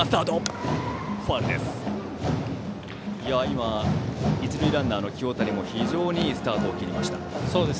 今、一塁ランナーの清谷も非常にいいスタートを切りました。